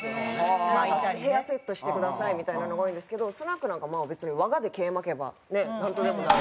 ヘアセットしてくださいみたいなのが多いんですけどスナックなんか我で毛巻けばねっなんとでもなる。